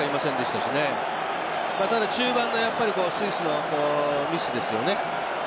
ただ中盤のスイスのミスですよね。